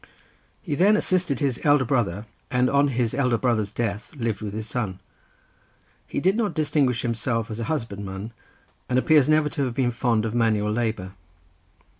He then assisted his elder brother, and on his elder brother's death, lived with his son. He did not distinguish himself as a husbandman, and appears never to have been fond of manual labour.